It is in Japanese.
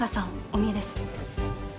お見えです。